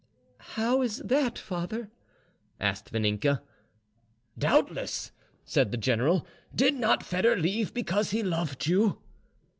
"How is that, father?" asked Vaninka. "Doubtless," said the general. "Did not Foedor leave because he loved you?"